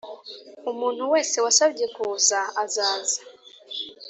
umuntu wese wasabye kuza azaza